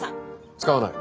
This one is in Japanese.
使わない。